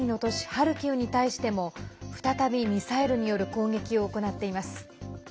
ハルキウに対しても再びミサイルによる攻撃を行っています。